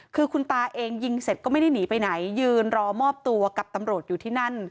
คือคุณตาเองยิงเสร็จก็ไม่ได้หนีไปไหนยืนรอมอบตัวกับตำรวจอยู่ที่นั่น